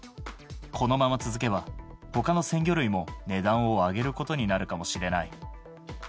このまま続けば、ほかの鮮魚類も値段を上げることになるかもしれない。